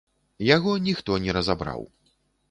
Яго ніхто не разабраў.